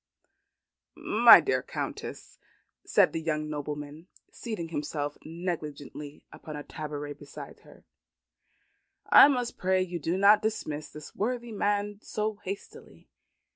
"My dear Countess," said the young nobleman, seating himself negligently upon a tabouret beside her, "I must pray you not to dismiss this worthy man so hastily.